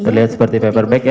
terlihat seperti paper bag ya